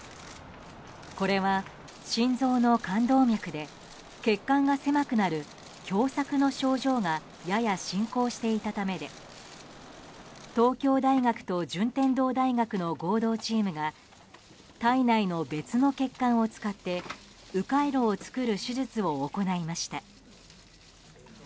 これは心臓の冠動脈で血管が狭くなる狭窄の症状がやや進行していたためで東京大学と順天堂大学の合同チームが体内の別の血管を使ってう回路を作る手術を行いました。